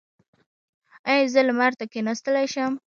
ایا زه لمر ته کیناستلی شم؟